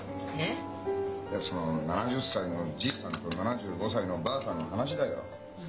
その７０歳のじいさんと７５歳のばあさんの話だよ。